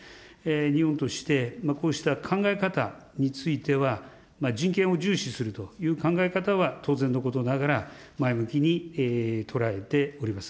日本として、こうした考え方については、人権を重視するという考え方は当然のことながら、前向きに捉えております。